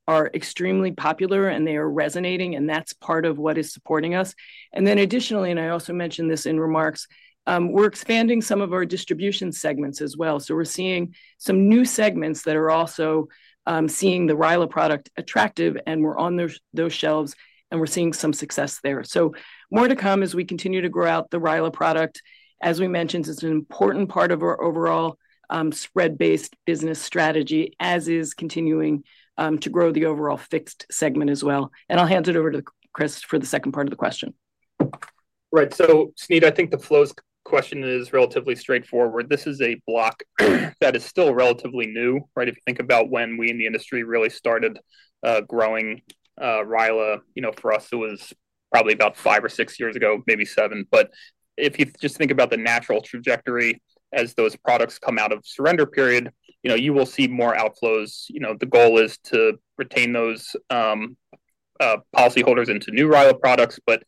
are extremely popular, and they are resonating. That's part of what is supporting us. Additionally, and I also mentioned this in remarks, we're expanding some of our distribution segments as well. We're seeing some new segments that are also seeing the RILA product attractive. We're on those shelves, and we're seeing some success there. More to come as we continue to grow out the RILA product. As we mentioned, it's an important part of our overall spread-based business strategy, as is continuing to grow the overall fixed segment as well. I'll hand it over to Chris for the second part of the question. Right. Suneet, I think the flows question is relatively straightforward. This is a block that is still relatively new. If you think about when we in the industry really started growing registered index-linked annuities (RILA), for us, it was probably about five or six years ago, maybe seven. If you just think about the natural trajectory as those products come out of surrender period, you will see more outflows. The goal is to retain those policyholders into new RILA products. At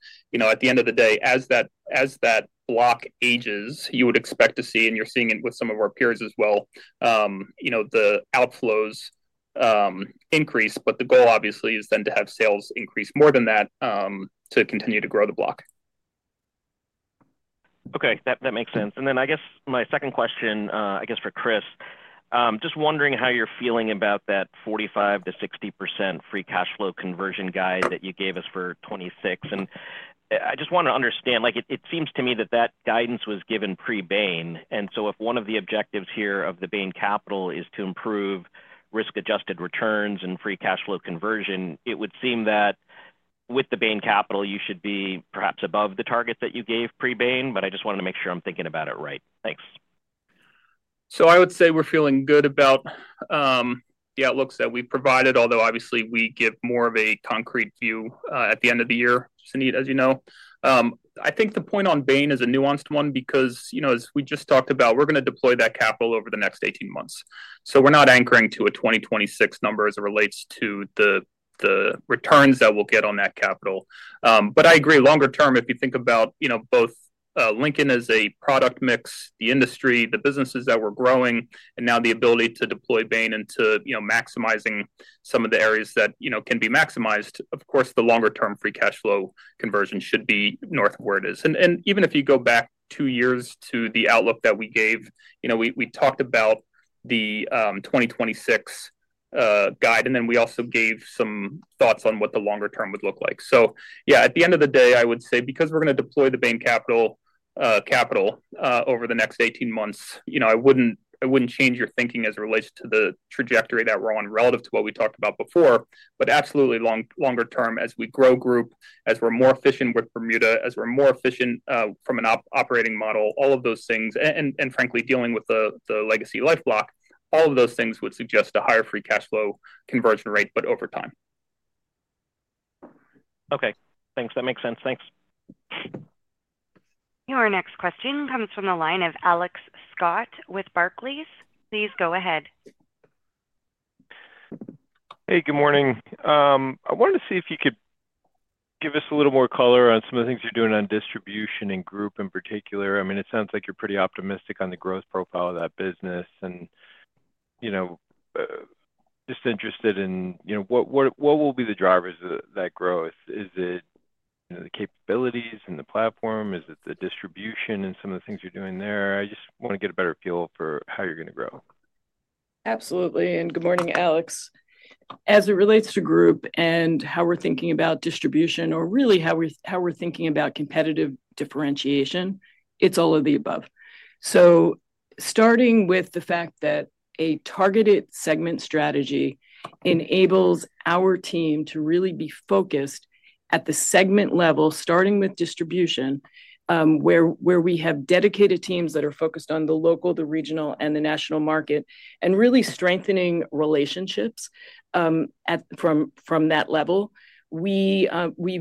the end of the day, as that block ages, you would expect to see, and you're seeing it with some of our peers as well, the outflows increase. The goal obviously is then to have sales increase more than that to continue to grow the block. OK, that makes sense. My second question, I guess for Chris, just wondering how you're feeling about that 45%-60% free cash flow conversion guide that you gave us for 2026. I just want to understand, it seems to me that that guidance was given pre-Bain. If one of the objectives here of Bain Capital is to improve risk-adjusted returns and free cash flow conversion, it would seem that with Bain Capital, you should be perhaps above the target that you gave pre-Bain. I just wanted to make sure I'm thinking about it right. Thanks. I would say we're feeling good about the outlooks that we provided, although obviously we give more of a concrete view at the end of the year, Suneet, as you know. I think the point on Bain is a nuanced one because, as we just talked about, we're going to deploy that capital over the next 18 months. We're not anchoring to a 2026 number as it relates to the returns that we'll get on that capital. I agree, longer term, if you think about both Lincoln as a product mix, the industry, the businesses that we're growing, and now the ability to deploy Bain into maximizing some of the areas that can be maximized, of course, the longer-term free cash flow conversion should be north of where it is. Even if you go back two years to the outlook that we gave, we talked about the 2026 guide, and we also gave some thoughts on what the longer term would look like. At the end of the day, I would say because we're going to deploy the Bain Capital capital over the next 18 months, I wouldn't change your thinking as it relates to the trajectory that we're on relative to what we talked about before. Absolutely, longer term, as we grow Group, as we're more efficient with Bermuda, as we're more efficient from an operating model, all of those things, and frankly, dealing with the legacy life block, all of those things would suggest a higher free cash flow conversion rate, but over time. OK, thanks. That makes sense. Thanks. Our next question comes from the line of Alex Scott with Barclays. Please go ahead. Hey, good morning. I wanted to see if you could give us a little more color on some of the things you're doing on distribution and group in particular. I mean, it sounds like you're pretty optimistic on the growth profile of that business. I'm just interested in what will be the drivers of that growth. Is it the capabilities in the platform? Is it the distribution and some of the things you're doing there? I just want to get a better feel for how you're going to grow. Absolutely. Good morning, Alex. As it relates to group protection and how we're thinking about distribution, or really how we're thinking about competitive differentiation, it's all of the above. Starting with the fact that a targeted segment strategy enables our team to really be focused at the segment level, starting with distribution, where we have dedicated teams that are focused on the local, the regional, and the national market, and really strengthening relationships from that level. We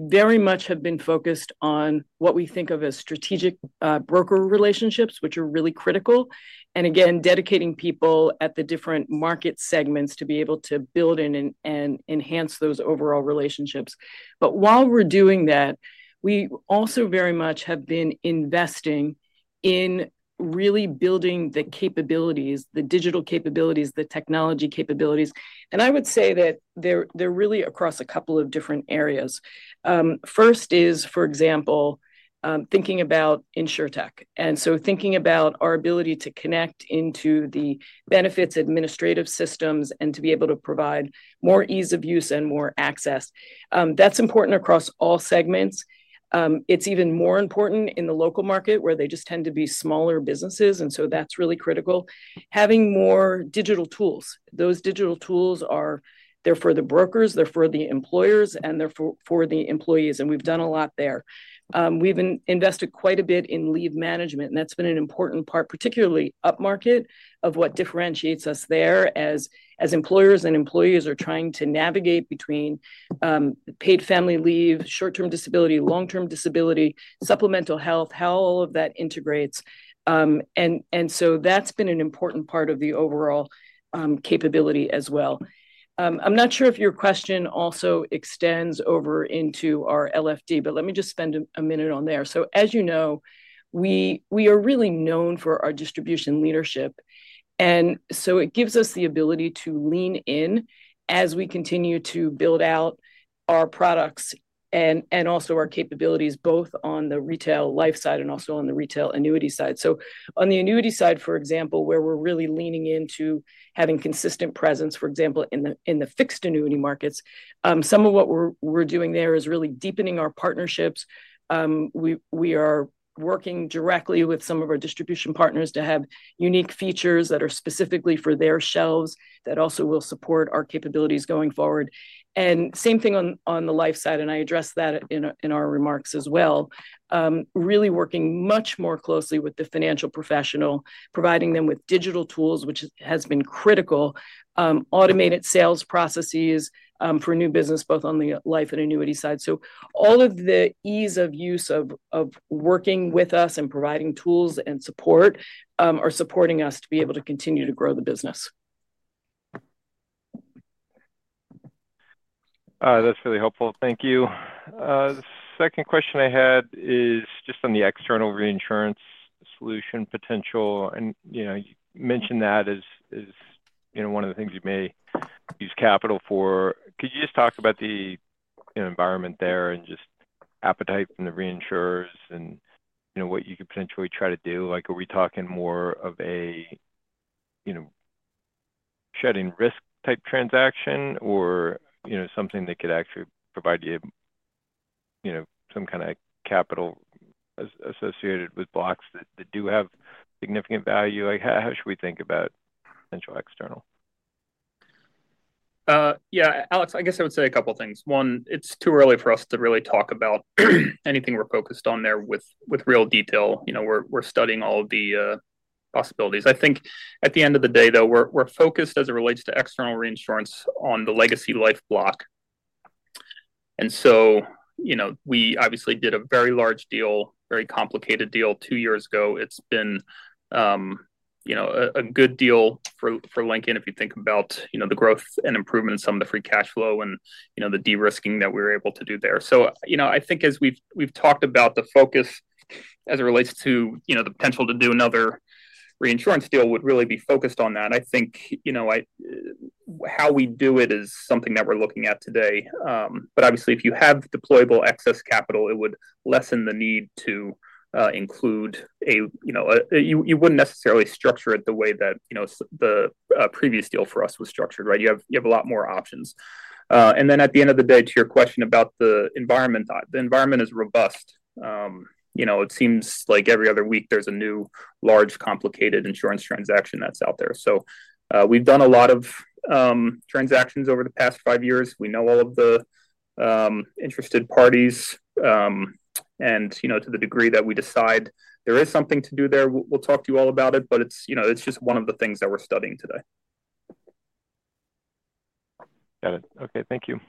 very much have been focused on what we think of as strategic broker relationships, which are really critical, and again, dedicating people at the different market segments to be able to build in and enhance those overall relationships. While we're doing that, we also very much have been investing in really building the capabilities, the digital capabilities, the technology capabilities. I would say that they're really across a couple of different areas. First is, for example, thinking about InsureTech. Thinking about our ability to connect into the benefits administrative systems and to be able to provide more ease of use and more access. That's important across all segments. It's even more important in the local market, where they just tend to be smaller businesses. That's really critical. Having more digital tools. Those digital tools are there for the brokers, they're for the employers, and they're for the employees. We've done a lot there. We've invested quite a bit in leave management. That's been an important part, particularly upmarket, of what differentiates us there as employers and employees are trying to navigate between paid family leave, short-term disability, long-term disability, supplemental health, how all of that integrates. That's been an important part of the overall capability as well. I'm not sure if your question also extends over into our LFD, but let me just spend a minute on there. As you know, we are really known for our distribution leadership. It gives us the ability to lean in as we continue to build out our products and also our capabilities, both on the retail life side and also on the retail annuity side. On the annuity side, for example, where we're really leaning into having consistent presence, for example, in the fixed annuity markets, some of what we're doing there is really deepening our partnerships. We are working directly with some of our distribution partners to have unique features that are specifically for their shelves that also will support our capabilities going forward. Same thing on the life side. I addressed that in our remarks as well, really working much more closely with the financial professional, providing them with digital tools, which has been critical, automated sales processes for new business, both on the life and annuity side. All of the ease of use of working with us and providing tools and support are supporting us to be able to continue to grow the business. That's really helpful. Thank you. The second question I had is just on the external reinsurance solution potential. You mentioned that as one of the things you may use capital for. Could you just talk about the environment there and appetite from the reinsurers and what you could potentially try to do? Are we talking more of a shedding risk type transaction or something that could actually provide you some kind of capital associated with blocks that do have significant value? How should we think about potential external? Yeah, Alex, I guess I would say a couple of things. One, it's too early for us to really talk about anything we're focused on there with real detail. We're studying all of the possibilities. I think at the end of the day, though, we're focused as it relates to external reinsurance on the legacy life insurance block. We obviously did a very large deal, very complicated deal two years ago. It's been a good deal for Lincoln if you think about the growth and improvement in some of the free cash flow and the de-risking that we were able to do there. I think as we've talked about, the focus as it relates to the potential to do another reinsurance deal would really be focused on that. I think how we do it is something that we're looking at today. Obviously, if you have deployable excess capital, it would lessen the need to include a, you wouldn't necessarily structure it the way that the previous deal for us was structured. You have a lot more options. At the end of the day, to your question about the environment, the environment is robust. It seems like every other week there's a new, large, complicated insurance transaction that's out there. We've done a lot of transactions over the past five years. We know all of the interested parties. To the degree that we decide there is something to do there, we'll talk to you all about it. It's just one of the things that we're studying today. Got it. OK, thank you.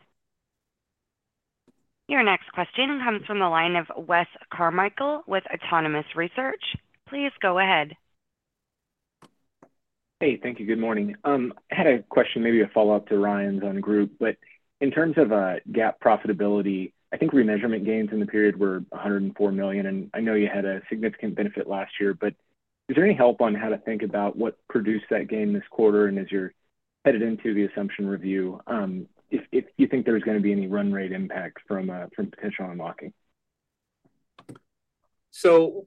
Your next question comes from the line of Wes Carmichael with Autonomous Research. Please go ahead. Hey, thank you. Good morning. I had a question, maybe a follow-up to Ryan's on group protection. In terms of GAAP profitability, I think remeasurement gains in the period were $104 million. I know you had a significant benefit last year. Is there any help on how to think about what produced that gain this quarter? As you're headed into the assumption review, do you think there's going to be any run-rate impact from potential unlocking?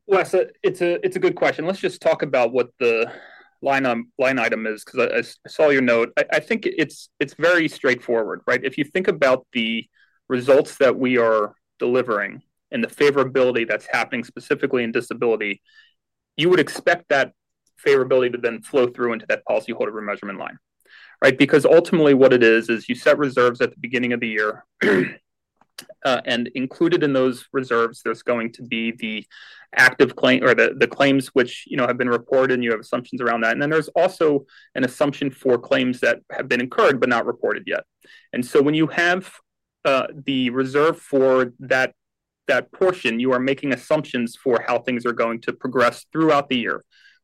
Wes, it's a good question. Let's just talk about what the line item is because I saw your note. I think it's very straightforward. If you think about the results that we are delivering and the favorability that's happening specifically in disability, you would expect that favorability to then flow through into that policyholder remeasurement line. Ultimately, what it is, is you set reserves at the beginning of the year. Included in those reserves, there's going to be the active claim or the claims which have been reported, and you have assumptions around that. There's also an assumption for claims that have been incurred but not reported yet. When you have the reserve for that portion, you are making assumptions for how things are going to progress throughout the year,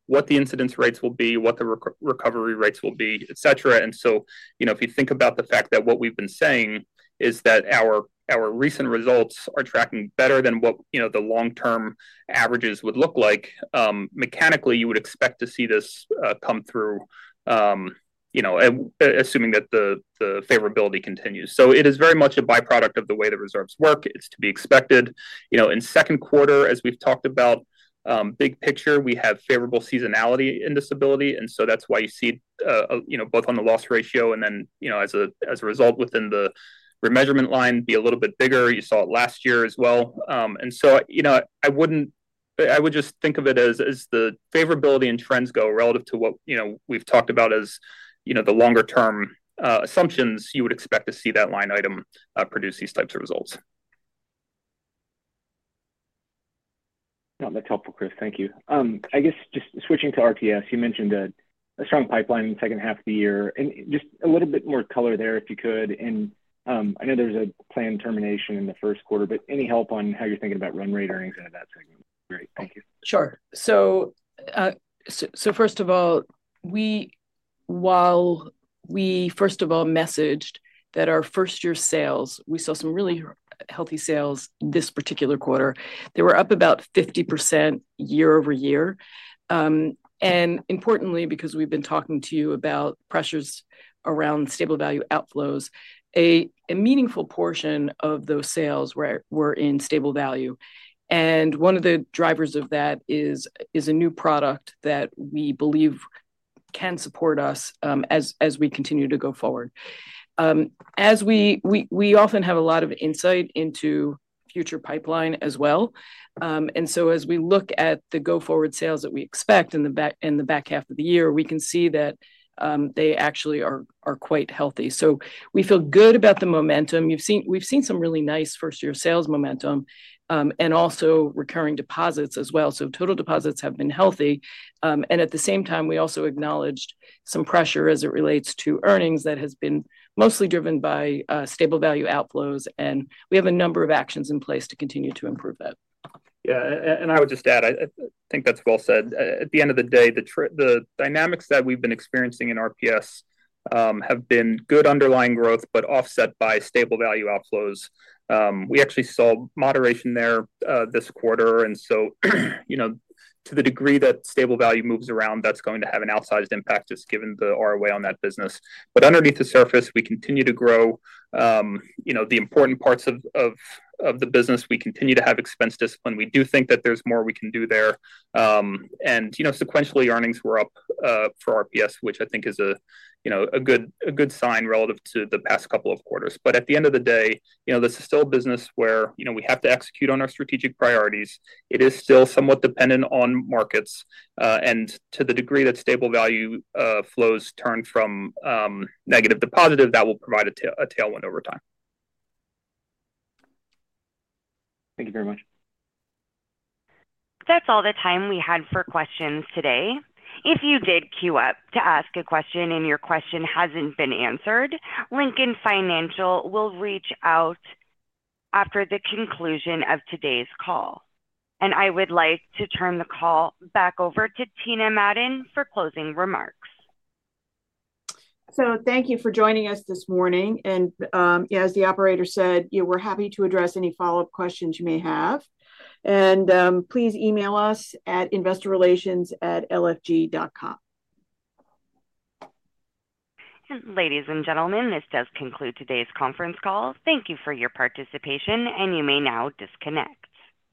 what the incidence rates will be, what the recovery rates will be, et cetera. If you think about the fact that what we've been saying is that our recent results are tracking better than what the long-term averages would look like, mechanically, you would expect to see this come through, assuming that the favorability continues. It is very much a byproduct of the way the reserves work. It's to be expected. In the second quarter, as we've talked about, big picture, we have favorable seasonality in disability. That's why you see both on the loss ratio and then as a result within the remeasurement line be a little bit bigger. You saw it last year as well. I would just think of it as the favorability and trends go relative to what we've talked about as the longer-term assumptions, you would expect to see that line item produce these types of results. That's helpful, Chris. Thank you. I guess just switching to RPS, you mentioned a strong pipeline in the second half of the year. If you could provide a little bit more color there. I know there's a planned termination in the first quarter. Any help on how you're thinking about run-rate earnings into that segment? Great. Thank you. Sure. First of all, we messaged that our first-year sales, we saw some really healthy sales this particular quarter. They were up about 50% year-over-year. Importantly, because we've been talking to you about pressures around stable value outflows, a meaningful portion of those sales were in stable value. One of the drivers of that is a new product that we believe can support us as we continue to go forward. We often have a lot of insight into future pipeline as well. As we look at the go-forward sales that we expect in the back half of the year, we can see that they actually are quite healthy. We feel good about the momentum. We've seen some really nice first-year sales momentum and also recurring deposits as well. Total deposits have been healthy. At the same time, we also acknowledged some pressure as it relates to earnings that has been mostly driven by stable value outflows. We have a number of actions in place to continue to improve that. Yeah, and I would just add, I think that's well said. At the end of the day, the dynamics that we've been experiencing in RPS have been good underlying growth, but offset by stable value outflows. We actually saw moderation there this quarter. To the degree that stable value moves around, that's going to have an outsized impact, just given the ROA on that business. Underneath the surface, we continue to grow. The important parts of the business, we continue to have expense discipline. We do think that there's more we can do there. Sequentially, earnings were up for RPS, which I think is a good sign relative to the past couple of quarters. At the end of the day, this is still a business where we have to execute on our strategic priorities. It is still somewhat dependent on markets. To the degree that stable value flows turn from negative to positive, that will provide a tailwind over time. Thank you very much. That's all the time we had for questions today. If you did queue up to ask a question and your question hasn't been answered, Lincoln National Corporation will reach out after the conclusion of today's call. I would like to turn the call back over to Tina Madon for closing remarks. Thank you for joining us this morning. As the operator said, we're happy to address any follow-up questions you may have. Please email us at investorrelations@lfg.com. Ladies and gentlemen, this does conclude today's conference call. Thank you for your participation. You may now disconnect.